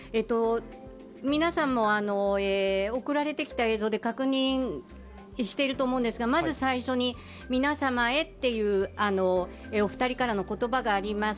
皆さんも、送られてきた映像で確認してると思うんですけどまず最初に、皆様へというお二人からの言葉があります。